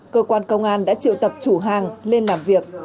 cơ quan công an đã triệu tập chủ hàng lên làm việc